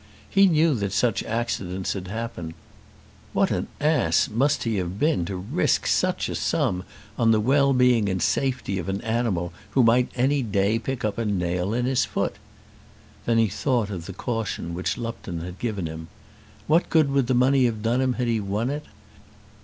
He knew that such accidents had happened. What an ass must he have been to risk such a sum on the well being and safety of an animal who might any day pick up a nail in his foot? Then he thought of the caution which Lupton had given him. What good would the money have done him had he won it?